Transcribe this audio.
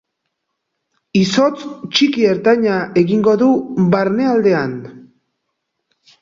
Izotz txiki-ertaina egingo du barnealdean.